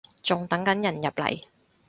仲等緊人入嚟